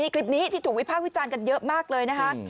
คลิปนี้ที่ถูกวิพากษ์วิจารณ์กันเยอะมากเลยนะคะ